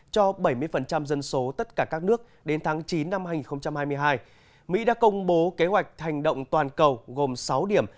cho bảy mươi dân số tất cả các nước đến tháng chín năm hai nghìn hai mươi hai mỹ đã công bố kế hoạch hành động toàn cầu gồm sáu điểm